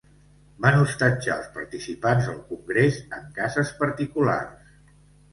Van hostatjar els participants al congrés en cases particulars.